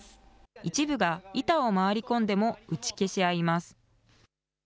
一部が板を回り込んでも打ち消し合います。